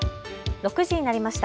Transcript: ６時になりました。